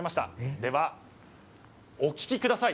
では、お聴きください。